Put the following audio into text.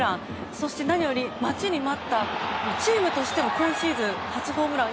そして何より待ちに待ったチームとしても今シーズン初ホームラン。